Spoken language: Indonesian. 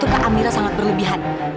maka amira sangat berlebihan